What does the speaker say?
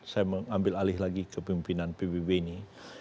saya mengambil alih lagi kepimpinan pbb ini